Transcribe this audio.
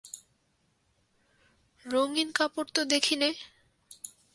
রঙিন কাপড় তো দেখি নে।